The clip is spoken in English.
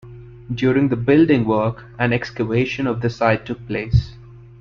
During the building work, an excavation of the site took place.